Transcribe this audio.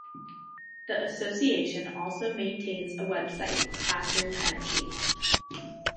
The association also maintains a website, Classroom Energy.